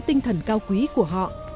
tinh thần cao quý của họ